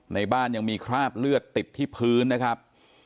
ในบ้านยังมีคราบเลือดติดที่พื้นนะครับ